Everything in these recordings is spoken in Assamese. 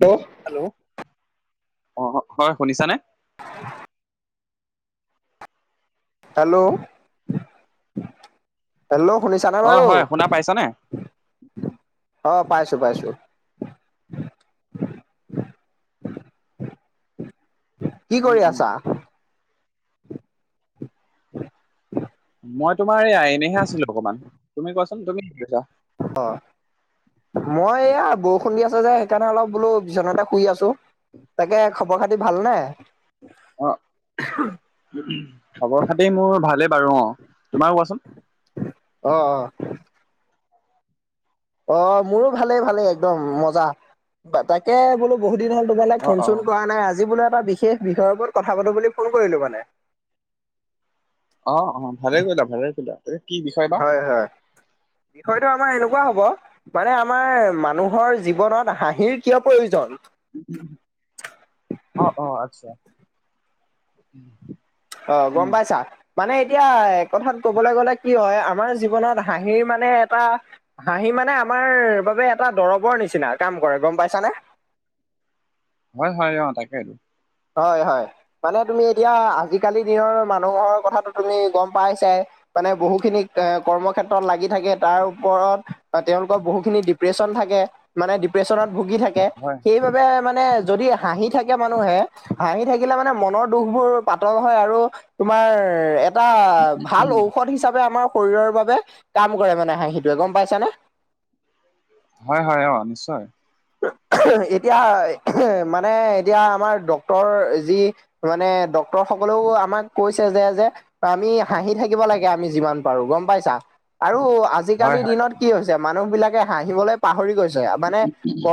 হেল্ল? হেল্ল' অ, হয় শুনিছানে? হেল্ল', হেল্ল' শুনিছা নাই অ বাৰু? হয় শুনা পাইছানে অ', পাইছো, পাইছো। কি উম কৰি উম আছা? মই তোমাৰ এই আই এনেহে আছিলো অকমান, তুমি কোৱাচোন তুমি কি কৰিছা? অ', মই এয়া বৰষুণ দি আছে যে সেইকাৰণে অলপ বোলো বিচনাতে শুই আছো। তাকে খবৰ খাতি ভাল নে? অ', খবৰ খাতি মোৰ ভালেই বাৰু অ', তোমাৰ কোৱাচোন? অঁ, অঁ। অ', মোৰো ভালেই ভালেই একদম মজা। তাক এ, বোলো বহু দিন হ'ল তোমালে অ ফোন অ চোন কৰা নাই আজি বোলো এটা বিশেষ বিষয়ৰ ওপৰত কথা পাতোঁ বুলি ফোন কৰিলোঁ মানে। অ', অ' ভালে কৰিলা, ভালে কৰিলা। এই কি বিষয় বা হয়, হয় বিষয়টো আমাৰ এনেকুৱা হ'ব মানে আমাৰ মানুহৰ জীৱনত হাঁহিৰ কিয় প্ৰয়োজন? অঁ, অঁ, আচ্ছা। অ', গ'ম উম পাইছা, মানে এতিয়া কথাত কবলৈ গ'লে কি হয়, আমাৰ জীৱনত হাঁহিৰ মানে এটা হাঁহি মানে আমাৰ বাবে এটা দৰবৰ নিচিনা কাম কৰে গ'ম পাইছানে? হয়, হয়, অ', তাকেইটো। হয়, হয় মানে তুমি এতিয়া আজিকালি দিনৰ মানুহৰ কথাটো তুমি গ'ম পাইছাই। মানে বহুখিনি কৰ্মক্ষেত্ৰত লাগি থাকে, তাৰ ওপৰত তেওঁলোকৰ বহুখিনি ডিপ্ৰেশ্যচন থাকে মানে ডিপ্ৰেশ্যনত ভুগি থাকে, হয় সেইবাবে মানে যদি হাঁহি থাকে মানুহে হাঁহি থাকিলে মানে মনৰ দুখবোৰ পাতল হয়, আৰু তোমাৰ এ এটা ভাল ঔষধ হিচাপে আমাৰ শৰীৰৰ বাবে কাম কৰে মানে হাঁহিটোৱে গ'ম পাইছে নে। হয়, হয়, অ', নিশ্চয়। এতিয়া মানে এতিয়া আমাৰ ডক্তৰ যি মানে ডক্তৰ সকলেও আমাক কৈছে যে, যে আমি হাঁহি থাকিব লাগে আমি যিমান পাৰো গ'ম পাইছা, আৰু আজি হয় আজিকালিৰ হয় দিনত কি হৈছে মানুহ বিলাকে হাঁহিবলৈ পাহৰি গৈছে। মানে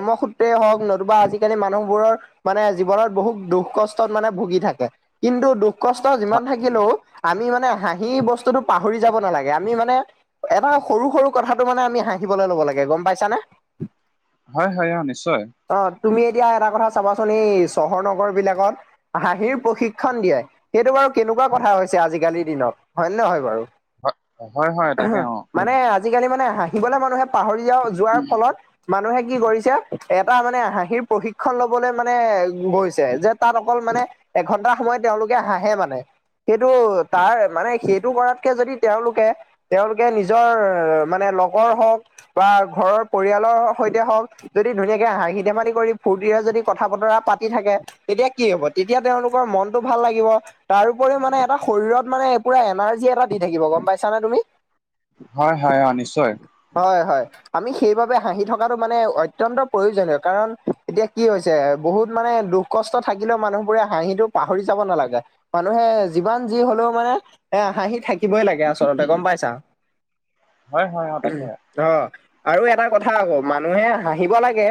ৰ্মসূত্ৰে হওঁক, নতুবা আজিকালি মানুহবোৰৰ মানে জীৱনত বহুত দুখ কষ্টত মানে ভুগি থাকে, কিন্তু দুখ কষ্ট যিমান থাকিলেও আমি মানে হাঁহি বস্তুটো পাহৰি যাব নালাগে। আমি মানে এটা সৰু সৰু কথাটো মানে আমি হাঁহিবলৈ ল'ব লাগে গ'ম পাইছা নে? হয়, হয়, অ', নিশ্চয়। অ' তুমি এতিয়া এটা কথা চাবাচোন এই চহৰ নগৰ বিলাকত হাঁহিৰ প্ৰশিক্ষণ দিয়ে, সেইটো বাৰু কেনেকুৱা কথা হৈছে আজিকালিৰ দিনত হয়নে নহয় বাৰু? হয় হয় হয় তাকে অ মানে আজিকালি মানে হাঁহিবলৈ মানুহে পাহৰি যোৱা যোৱাৰ ফলত মানুহে কি কৰিছে এটা মানে হাঁহিৰ প্ৰশিক্ষণ ল'বলৈ মানে গৈছে, যে তাত অকল মানে এঘন্টা সময়ত তেওঁলোকে হাঁহে মানে। সেইটো তাৰ মানে, সেইটো কৰাতকে যদি তেওঁলোকে তেওঁলোকে নিজৰ মানে লগৰ হওঁক, বা ঘৰৰ পৰিয়ালৰ সৈত [unintelligible] হওঁক যদি ধুনীয়াকে হাঁহি ধেমালি কৰি ফূৰ্তিৰে যদি কথা বতৰা পাতি থাকে তেতিয়া কি হ'ব, তেতিয়া তেওঁলোকৰ মনটো ভাল লাগিব। তাৰ উপৰিও মানে এটা শৰীৰত মানে পুৰা এনাৰ্জি এটা দি থাকিব গ'ম পাইছানে, তুমি। হয়, হয়, অ' নিশ্চয়। হয়, হয়, আমি সেইবাবে হাঁহি থকা টো মানে অত্যন্ত প্ৰয়োজনীয়, কাৰণ এতিয়া কি হৈছে, বহুত মানে দুখ কষ্ট থাকিলেও মানুহবোৰে হাঁহিটো পাহৰি যাব নালাগে, মানুহে যিমান যি হ'লেও মানে এ, হাঁহি থাকিবই লাগে আচলতে গ'ম পাইছা। হয় হয় অ তাকে অ' আৰু এটা কথা আকৌ, মানুহে হাঁহিব লাগে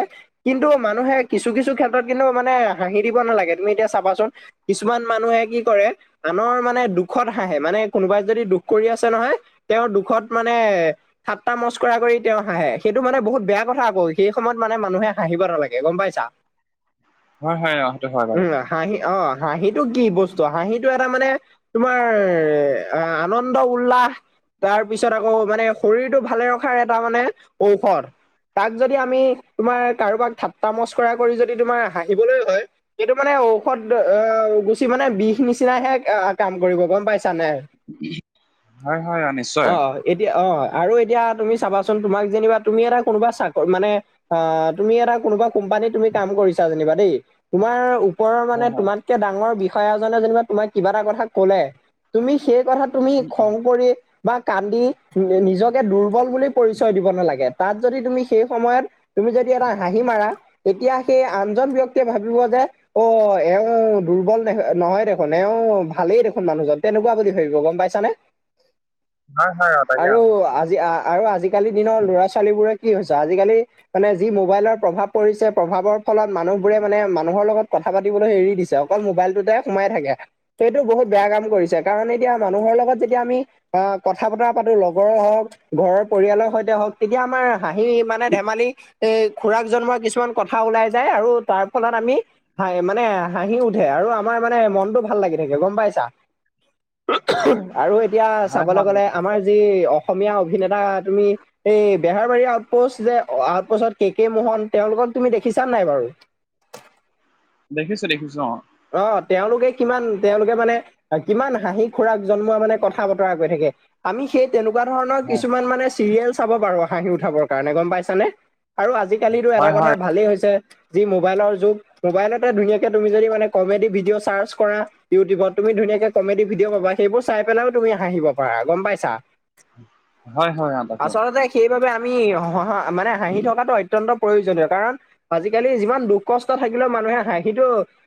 কিন্তু মানুহে কিছু, কিছু ক্ষেত্ৰত কিন্তু মানে হাঁহি দিব নালাগে, তুমি এতিয়া চাবাচোন কিছুমান মানুহে কি কৰে আনৰ মানে দুখত হাঁহে, মানে কোনোবাই যদি দুখ কৰি আছে নহয় তেওঁৰ দুখত মানে ঠাট্টা, মস্কৰা কৰি তেওঁ হাঁহে, সেইটো মানে বহুত বেয়া কথা আকৌ, সেই সময়ত মানে মানুহে হাঁহিব নালাগে, গ'ম পাইছা। হয়, হয়, সেইটো হয় উম বাৰু। হাঁহি অ' হাঁহিটো কি বস্তু হাঁহিটো এটা মানে তোমাৰ, আনন্দ, উল্লাস। তাৰ পিছত আকৌ, মানে শৰীৰটো ভালে ৰখাৰ এটা মানে, ঔষধ। তাক যদি আমি, তোমাৰ কাৰোবাক ঠাট্টা, মস্কৰা কৰি যদি তোমাৰ হাঁহিবলৈ হয় সেইটো মানে ঔষধ অ', গুচি মানে বিষ নিচিনাহে আহ, কাম কৰিব গ'ম পাইছ [unintelligible] অ'। হয় হয় অ নিশ্চয় এতিয়া অ', আৰু এতিয়া তুমি চাবাচোন, তোমাক যেনিবা তুমি এটা কোনোবা চাক মানে অ', তুমি এটা কোনোবা কোম্পানীত তুমি কাম কৰিছা যেনিবা দেই, তোমাৰ ওপৰৰ মানে, হয় হয় তোমাতকে ডাঙৰ বিষয়াজনে যেনিবা তোমাক কিবা এটা কথা ক'লে, তুমি সেই কথা তুমি খং কৰি বা কান্দি, নিজকে দুৰ্বল বুলি পৰিচয় দিব নালাগে, তাত যদি তুমি সেই সময়ত তুমি যদি এটা হাঁহি মাৰা, তেতিয়া সেই আনজন ব্যক্তিয়ে ভাবিব যে অ', এওঁ দুৰ্বল নহয়, দেখোন, এওঁ ভালেই দেখোন মানুহজন। তেনেকুৱা বুলি ভাবিব গ'ম পাইছানে, হয় হয় অ তাকে অ আৰু আজি আ আৰু আজিকালি দিনৰ ল'ৰা ছোৱালী বোৰে কি হৈছে, আজিকালি মানে যি মোবাইলৰ প্ৰভাৱ পৰিছে, প্ৰভাৱৰ ফলত মানুহবোৰে মানে মানুহৰ লগত কথা পাতিবলৈ এৰি দিছে। অকল মোবাইলটোতে সোমাই থাকে, ত' এইটো বহুত বেয়া কাম কৰিছে, কাৰণ এতিয়া মানুহৰ লগত যেতিয়া আমি আহ কথা বতৰা পাতো, লগৰ হওঁক ঘৰৰ পৰিয়ালৰ সৈতে হওঁক তেতিয়া আমাৰ সি মানে ধেমালি, এ, খুৰাক জন্মোৱা কিছুমান কথা ওলাই যায় আৰু তাৰ ফলত আমি হাঁ, মানে হাঁহি উঠে, আৰু আমাৰ মানে মনটো ভাল লাগি থাকে। গম পাইছাঁ, আৰু এতিয়া হয় চাবলৈ হয় গ'লে আমাৰ যি অসমীয়া অভিনেতা, তুমি এই বেহাৰবাৰী যে, আউচতপোচত কে কে, মোহন তেওঁলোকক তুমি দেখিছাঁ নাই বাৰু দেখিছোঁ, দেখিছোঁ অ'। অ', তেওঁলোকে কিমান তেওঁলোকে মানে কিমান হাঁহি খুৰাক জন্মোৱা মানে, কথা বতৰা কৈ থাকে। আমি সেই তেনেকুৱা ধৰণৰ অ কিছুমান মানে, চিৰিয়েল চাব পাৰো। হাঁহি উঠাবৰ কাৰণে গম পাইছানে, আৰু আজিকালিটো এটা হয় কথা হয় ভালেই হৈছে যি মোবাইলৰ যুগ, মোবাইলতে ধুনীয়াকে তুমি যদি মানে কমেডি ভিডিঅ' চাৰ্চ কৰা ইউটিউবত, তুমি ধুনীয়াকে কমেডি ভিডিঅ' পাবা, সেইবোৰ চাই পিনেও তুমি হাঁহিব পাৰা গম পাইছা। হয়, হয়, অ', তাকে। আচলতে সেইবাবে আমি হঁহা মানে, হাঁহি থকাটো অত্যন্ত প্ৰয়োজনীয় কাৰণ আজিকালি যিমান দুখ কষ্ট থাকিলেও মানুহে হাঁহিটো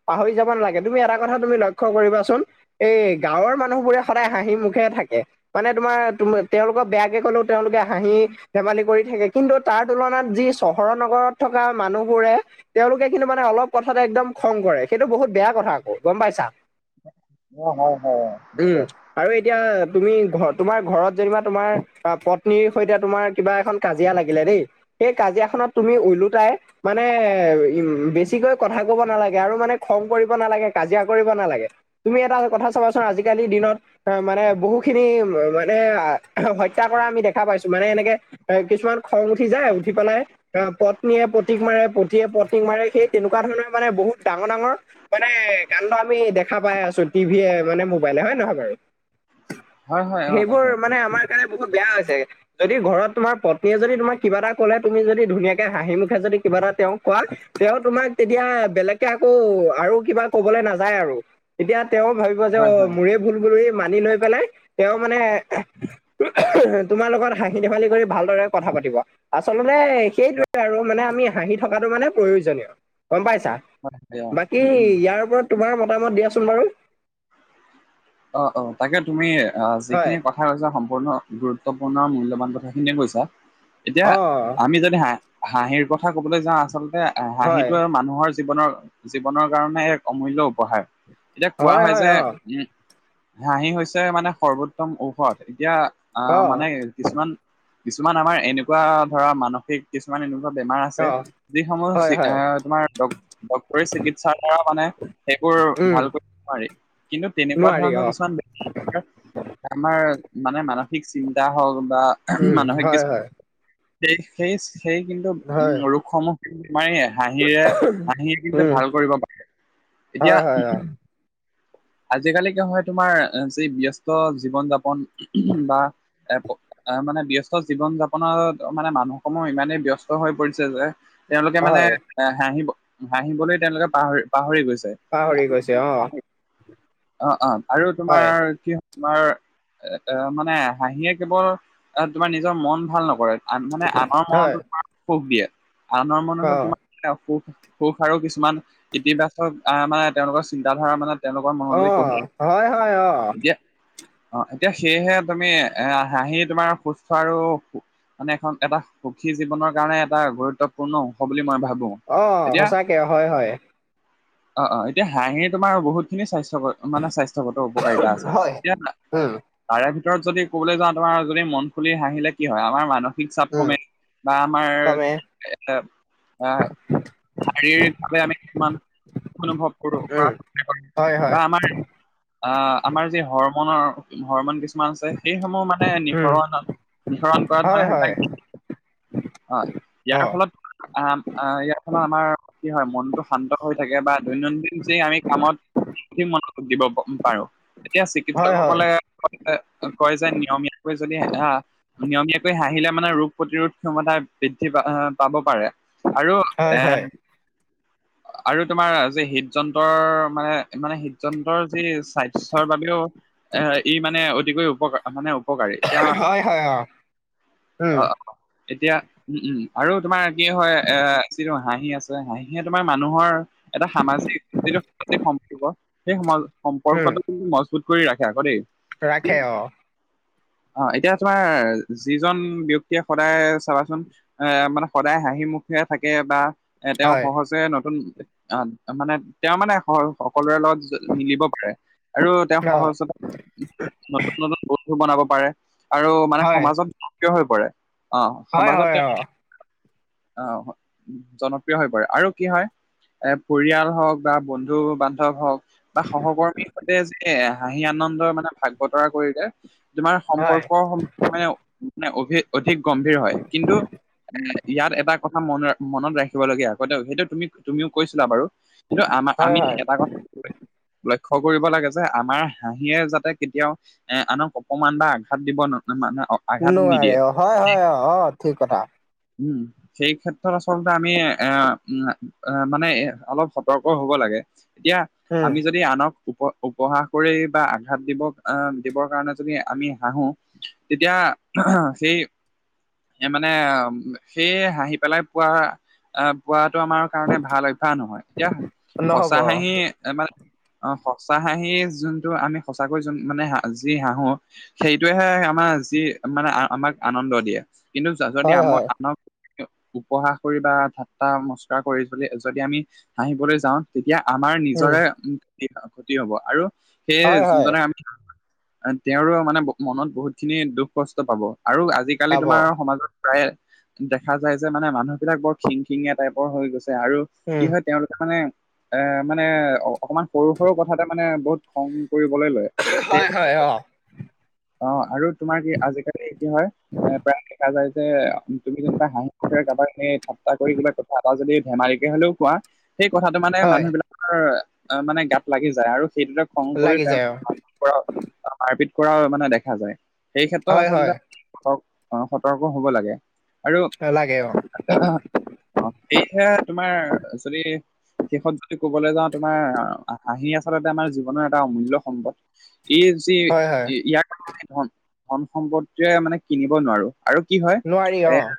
পাহৰি যাব নালাগে, তুমি এটা কথা তুমি লক্ষ্য কৰিবাচোন এই গাঁৱৰ মানুহবোৰে সদায় হাঁহি মুখে থাকে। মানে তোমাৰ, তোম তেওঁলোকক বেয়াকে কলেও তেওঁলোকে হাঁহি ধেমালি কৰি থাকে, কিন্তু তাৰ তুলনাত যি চহৰৰ নগৰত থকা মানুহবোৰে তেওঁলোকে কিন্তু মানে অলপ কথাতে একদম খং কৰে, সেইটো বহুত বেয়া কথা আকৌ, গম পাইছা? অ', হয়, হয়, উম, নিশ্চয়। আৰু এতিয়া তুমি ঘৰ, তোমাৰ ঘৰত যেনিবা তোমাৰ পত্নীৰ সৈতে তোমাৰ কিবা এখন কাজিয়া লাগিলে দেই সেই কাজিয়াখনত তুমি ওলোটাই মানে উ বেছিকৈ কথা কব নালাগে, আৰু মানে খং কৰিব নালাগে, কাজিয়া কৰিব নালাগে। তুমি এটা কথা চাবাচোন, আজিকালিৰ দিনত অ', মানে বহু খিনি মানে হত্যা কৰা আমি দেখা পাইছো, মানে এনেকে এ কিছুমান খং উঠি যায়, উঠি পেলাই অ', পত্নীয়ে পতীক মাৰে, পতীয়ে পত্নীক মাৰে। সেই তেনেকুৱা ধৰণৰ মানে, বহুত ডাঙৰ ডাঙৰ মানে কাণ্ড আমি দেখা পাই আছো টিভিয়ে মানে মোবাইলে, হয়নে নহয় বাৰু? হয় হয় অ সেইবোৰ তাকে মানে, আমাৰ কাৰণে বহুত বেয়া হৈছে। যদি ঘৰত তোমাৰ পত্নীয়ে যদি তোমাক কিবা এটা কলে, তুমি যদি ধুনীয়াকে হাঁহি মুখে যদি কিবা এটা তেওঁক কোৱা তেওঁ তোমাক তেতিয়া, বেলেগকে আকৌ আৰু কিবা ক'বলৈ নাযায় আৰু, এতিয়া তেওঁ ভাবিব যে হয় অ' হয় মৌৰে ভুল বুলি মানি লৈ পেলাই, তেওঁ মানে তোমাৰ লগত হাঁহি ধেমালি কৰি ভালদৰে কথা পাতিব। আচলতে হয় সেইটোৱে আৰু মানে আমি হাঁহি থকাটো মানে প্ৰয়োজনীয়, গম পাইছা? হয়। অ [unintelligible] উম উম ইয়াৰ ওপৰত তোমাৰ মতামত দিয়াচোন বাৰু? অ', অ', তাকে তুমি আহ হয় যিখিনি কথা কথা কৈছা সম্পূৰ্ণ গুৰুত্বপূৰ্ণ মূল্যবান কথাখিনিয়ে কৈছা, এতিয়া অ আমি যদি হা হাঁহিৰ কথা কবলৈ যাওঁ, আচলতে হয় হাঁহিটো আৰু মানুহৰ জীৱনৰ জীৱনৰ কাৰণে এক অমূল্য উপহাৰ, এতিয়া কোৱা হয় যে উম, হাঁহি হৈছে মানে সৰ্বোত্তম ঔষধ। এতিয়া, আহ অ মানে কিছুমান, কিছুমান আমাৰ এনেকুৱা ধৰা মানসিক কিছুমান এনেকুৱা বেমাৰ আছে অ যিসমূহ হয় হয় [unintelligible] তোমাৰ ডক্টৰি চিকিৎসাৰ দ্বাৰা মানে সেইবোৰ উম ভাল কৰিব নোৱাৰি। কিন্তু তেনেকুৱা নোৱাৰি ধৰণৰ অ কিছুমান [unintelligible] আমাৰ মানে মান সিক চিন্তা হওঁক বা উম মানসিক হয় হয় সেই-সেই [unintelligible] কিন্তু উম হয় ৰোগসমূহ [unintelligible] হাঁহিৰে, হাঁহিৱে কিন্তু উম ভাল কৰিব পাৰে এতিয়া হয় হয় অ আজিকালি কি হয় তোমাৰ, যি ব্যস্ত জীৱন যাপন বা এ [unintelligible] মানে ব্যস্ত জীৱন যাপনত মানে মানুহ সমূহ ইমানেই ব্যস্ত হৈ পৰিছে যে, তেওঁলোকে মানে হয় এ হাঁহিব, হাঁহিবলৈ তেওঁলোকে পাহৰি-পাহৰি গৈছে। পাহৰি গৈছে, অ'। অ', অ', আৰু তোমাৰ হয় কি হয় তোমাৰ, এ মানে হাঁহিয়ে কেৱল তোমাৰ নিজৰ মন ভাল নকৰে। আন মানে আনৰ হয় মনতো তাক সুখ দিয়ে, আনৰ অ মনতো তোমাক সুখ, সুখ আৰু কিছুমান ইতিবাচক আহ মানে তেওঁলোকৰ চিন্তা ধাৰা মানে তেওঁলোকৰ অ মনলি [unintelligible] হয় হয় অ এতিয়া অ', এতিয়া সেয়েহে তুমি, এ হাঁহি তোমাৰ সুস্থ আৰু মানে এখন, এটা সুখী জীৱনৰ কাৰণে এটা গুৰুত্বপূৰ্ণ অংশ বুলি মই ভাবো। অ', এতিয়া সচাকে হয়, হয়। অ', অ', এতিয়া হাঁহি তোমাৰ বহুত খিনি স্বাস্থ্যক মানে, স্বাস্থ্যত উপকাৰিতা আছে। হয় এতিয়া, উম তাৰে ভিতৰত, যদি ক'বলৈ যোৱা, তোমাৰ যদি মন খুলি হাঁহিলে কি হয়? আমাৰ মানুহ উম [unintelligible] বা আমাৰ কমে এ, আঁ শাৰীৰিক ভাৱে, আমি কিছুমান, সুখ অনুভৱ কৰোঁ উম বা [unintelligible] হয় হয় ধৰা, আমাৰ আঁ আমাৰ যি, হ'ৰমনৰ হ'ৰমন কিছুমান আছে, সেইসমূহ মানে, উম নিহৰণত, নিহৰণ কৰাত হয় মানে, হয় সেইবিলাক অ'! অ ইয়াৰ ফলত আঁ আঁ ইয়াৰ ফলত, আমাৰ কি হয়, মনটো শান্ত হৈ থাকে! বা দৈনন্দিন যে, আমি কামত সেই মনতো দিব পাৰোঁ। তেতিয়া, হয় হয় চিকিৎসকসকলে কয় যে, নিয়মীয়াকৈ যদি, হা নিয়মীয়াকৈ হাঁহিলে মানে, ৰোগ-প্ৰতিৰোধ ক্ষমতা বৃদ্ধি পা, পাব পাৰে। আৰু হয় এ, হয় আৰু তোমাৰ যে, হৃদযন্ত্ৰৰ মানে, মানে, হৃদযন্ত্ৰৰ যি, স্বাস্থ্যৰ বাবেও, এ, ই মানে, অতিকৈ উপকাৰ মানে, উপকাৰী। এতিয়া, হয় হয় অ উম অ'! এতিয়া, উম, উম! আৰু তোমাৰ কি হয়, এ হাঁহি আছে, হাঁহিয়ে তোমাৰ মানুহৰ, এটা সামাজিক যিটো, সামাজিক সম্পৰ্ক, সেই সম উম সম্পৰ্কটো মজবুত কৰি ৰাখে, আকৌ দেই। এতিয়া ৰাখে, অ'! অ'! এতিয়া তোমাৰ, যিজন ব্যক্তিয়ে, সদায় চাবাচোন? এ, মানে সদায় হাঁহি মুখে থাকে বা এ, তেওঁ হয় সহজে নতুন, মানে, তেওঁ মানে, স সকলোৰে লগত মিলিব পাৰে আৰু তেওঁ অ সহজ-সৰল। নতুন-নতুন বস্তু বনাব পাৰে। আৰু মানে, হয় সমাজত, থিয় হৈ পৰে। অ'! হয় সমাজত হয় তেওঁ, অ [unintelligible] জনপ্ৰিয় হৈ পৰে। আৰু কি হয়, এ, পৰিয়াল হওঁক বা বন্ধু-বান্ধৱ হওঁক বা সহকৰ্মীৰ সৈতে, যে, হাঁহি-আনন্দৰে মানে, ভাগ -বতৰা কৰিলে। তোমাৰ হয়, সম্পৰ্ক মানে, মানে অধিক গম্ভীৰ হয়। কিন্তু, এ, ইয়াত এটা কথা মনত, মনত ৰাখিব লগীয়া, আগতে সেইটো, তুমি তুমিও কৈছিলা বাৰু। কিন্তু, আমাৰ হয়, আমি হয়। এটা কথা লক্ষ্য কৰিব লাগে যে, আমাৰ হাঁহিয়ে যাতে কেতিয়াও এ, আনক অপমান বা আঘাত দিব [unintelligible] মানে, আঘাত নিদিয়ে নোৱাৰে, অ'! হয়, হয়। অ' অ'! ঠিক কথা। উম! সেই ক্ষেত্ৰত, আচলতে আমি, এ, মানে, অলপ সতৰ্ক হ'ব লাগে। এতিয়া, উম, আমি যদি আনক উপ, উপহাস কৰি বা আঘাত দিব, আঁ দিবৰ কাৰণে, যদি আমি হাঁহো! তেতিয়া, সেই এ, মানে, সেই হাঁহি পেলাই পোৱা আঁ পোৱাটো আমাৰ কাৰণে, ভাল অভ্যাস নহয়। এতিয়া, নহ'ব। সঁচা হাঁহি মানে, অ'! সঁচা হাঁহি যোনটো, আমি সঁচাকৈ যোন, মানে, যি হাঁহো! সেইটোৱেহে, আমাৰ যি, মানে, আমাক আনন্দ দিয়ে। কিন্তু, যদি হয়, আমাক হয়, আনক উপহাস কৰি বা ঠাট্টা, নমস্কাৰ কৰি যদি, আমি হাঁহিবলৈ যাওঁ! তেতিয়া, আমাৰ উম, নিজৰে, ক্ষতি হ'ব। আৰু সেই, হয়, হয়, যোনজনে আমি, তেওঁৰো মানে, মনত বহুত খিনি, দুখ কষ্ট পাব! আৰু আজিকালি, আজিকালি, পাব, তোমাৰ সমাজত প্ৰায়ে, দেখা যায় যে, মানে মানুহ বিলাক, বৰ খিংখিঙীয়া টাইপৰ, হৈ গৈছে আৰু কি উম, হয়, তেওঁলোকে মানে, এ, মানে, অকমান সৰু-সৰু কথাতে মানে, বহুত খং কৰিবলৈ লয়! হয়, হয়, অ', [unintelligible] অ'! আৰু তোমাৰ, কি আজিকালি, কি হয়, এ, প্ৰায় দেখা যায় যে, তুমি যেনিবা হাঁহি মুখেৰে কাৰাবাক, সেই, ঠাট্টা কৰি কিবা কথা এটা যদি, বেমাৰীকে হ'লেও কোৱা, সেই কথা মানে হয়, মানুহ বিলাকৰ অ', মানে গাত লাগি যায় আৰু সেইটোতে খং কৰি লাগি তেওঁল যায় অ', মাৰপিট কৰাও মানে দেখা যায় সেই ক্ষেত্ৰত হয়, আচলতে হয়, সি সতৰ্ক হ'ব লাগে আৰু। লাগে অ', অ', সেহে তোমাৰ যদি। শেষত যদি ক'বলৈ যাওঁ তোমাৰ হাঁহি আচলতে আমাৰ জীৱনৰ এটা অমূল্য সম্পদ। ই যি হয়, হয়, ইয়াৰে ধন, ধন সম্পত্তিৰে মানে কিনিব নোৱাৰোঁ। আৰু কি হয় নোৱাৰি এ অ',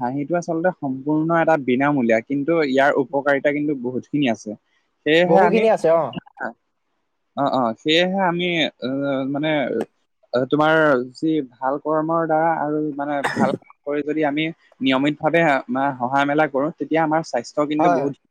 হাঁহিটো আচলতে সম্পূৰ্ণ এটা বিনামূলীয়া কিন্তু ইয়াৰ উপকাৰিতা কিন্তু বহুত খিনি আছে সেয়েহে বহুখিনি আমি আছে অ', অ', অ', সেয়েহে আমি এ মানে তোমাৰ যি ভাল কৰ্মৰ দ্বাৰা আৰু মানে ভাল কাম কৰি যদি আমি নিয়মিত ভাৱে সহায় মেলা কৰো তেতিয়া আমাৰ চ কিন্তু হয়। বহুত